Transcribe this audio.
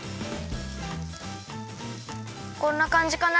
こんなかんじかな。